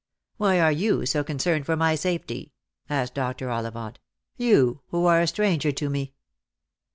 "Why are you so concerned for my safety?" asked Dr. Ollivant. " You, who are a stranger to me."